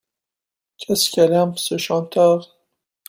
Qu’est-ce qu’elle aime ce chanteur !